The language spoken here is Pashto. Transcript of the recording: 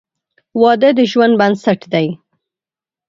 • واده د ژوند بنسټ دی.